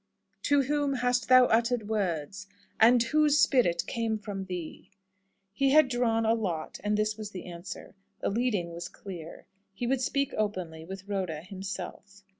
"To whom hast thou uttered words? and whose spirit came from thee?" He had drawn a lot, and this was the answer. The leading was clear. He would speak openly with Rhoda himself.